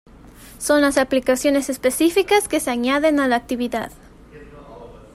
Son las aplicaciones específicas que se añaden a la actividad.